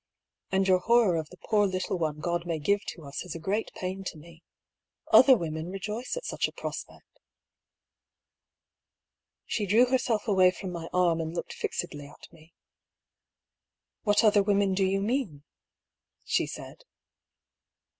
" And your horror of the poor little one God may give to us is a great pain to me. Other women rejoice at such a prospect." She drew herself away from my arm and looked fixedly at me. " What other women do you mean ?" she said.